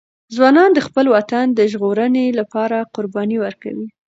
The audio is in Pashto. ځوانان د خپل وطن د ژغورنې لپاره قرباني ورکوي.